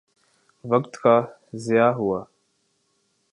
وقت کا ضیاع ہوا۔